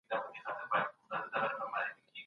د سر پخه په وچ او غوړ ډول واقع کیږي.